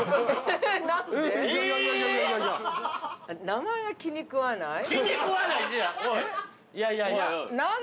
名前が気に食わない。